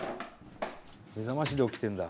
目覚ましで起きてるんだ。